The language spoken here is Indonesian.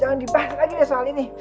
jangan dibahas lagi deh soal ini